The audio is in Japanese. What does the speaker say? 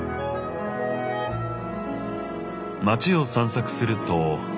街を散策すると。